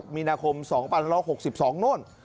มีนาคม๒๑๖๒โน่น